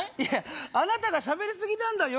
あなたがしゃべりすぎなんだよ！